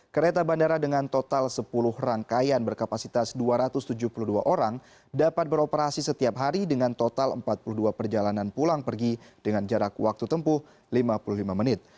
kereta bandara dengan total sepuluh rangkaian berkapasitas dua ratus tujuh puluh dua orang dapat beroperasi setiap hari dengan total empat puluh dua perjalanan pulang pergi dengan jarak waktu tempuh lima puluh lima menit